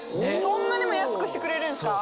そんなにも安くしてくれるんですか？